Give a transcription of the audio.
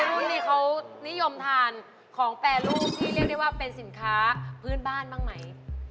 นู่นนี่เขานิยมทานของแปรรูปที่เรียกได้ว่าเป็นสินค้าพื้นบ้านบ้างไหม